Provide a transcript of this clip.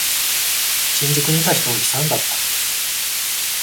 新宿にいた人は悲惨だった。